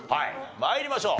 参りましょう。